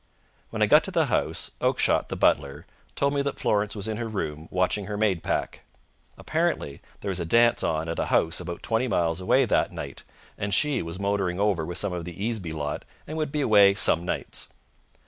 When I got to the house, Oakshott, the butler, told me that Florence was in her room, watching her maid pack. Apparently there was a dance on at a house about twenty miles away that night, and she was motoring over with some of the Easeby lot and would be away some nights.